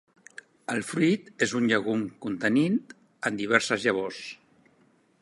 El fruit és un llegum contenint diverses llavors.